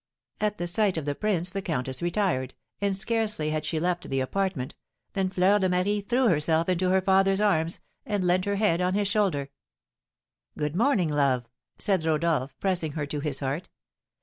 At the sight of the prince the countess retired, and scarcely had she left the apartment than Fleur de Marie threw herself into her father's arms, and leant her head on his shoulder. "Good morning, love," said Rodolph, pressing her to his heart.